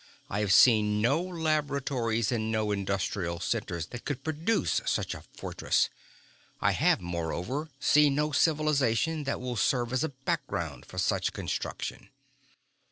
I have seen no laboratories and no industrial centers that could produce such a fortress. I have, moreover, seen no civilization that will serve as a background for such construction."